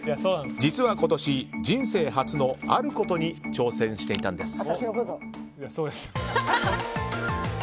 実は今年、人生初のあることに挑戦していたんです。